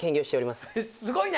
すごいね。